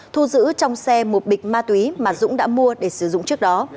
thu giữ trong xe một bịch ma túy mà dũng đã mua để sử dụng trước đó